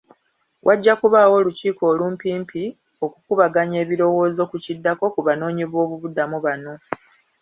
Wajja kubaawo olukiiko olumpimpi okukubaganya ebirowoozo ku kiddako ku baboonyiboobubudamu bano.